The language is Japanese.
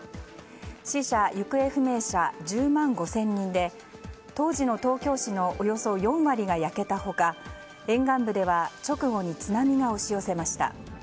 死者・行方不明者１０万５０００人で当時の東京市のおよそ４割が焼けた他沿岸部では直後に津波が押し寄せました。